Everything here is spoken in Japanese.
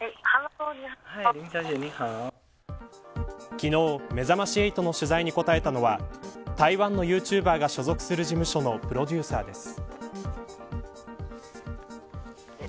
昨日、めざまし８の取材に答えたのは台湾のユーチューバーが所属する事務所のプロデューサーです。